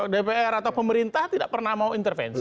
dpr atau pemerintah tidak pernah mau intervensi